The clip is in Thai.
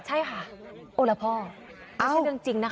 ใช่ค่ะโอรพไม่ใช่จริงจริงนะ